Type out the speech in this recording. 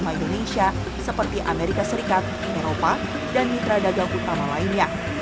nama indonesia seperti amerika serikat eropa dan mitra dagang utama lainnya